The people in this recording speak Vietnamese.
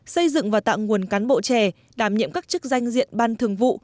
xây dựng và tạo nguồn cán bộ trẻ đảm nhiệm các chức danh diện ban thường vụ